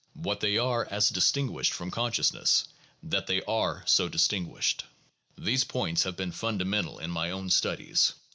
What they are as distinguished from consciousness, — that they are as so distinguished. These points have been fundamental in my own studies.